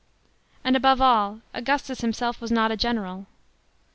And above all Augustus himself was not a general.